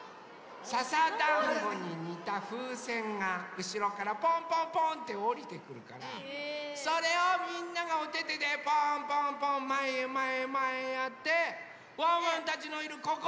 ささだんごににたふうせんがうしろからぽんぽんぽんっておりてくるからそれをみんながおててでぽんぽんぽんまえへまえへまえへやってワンワンたちのいるここ！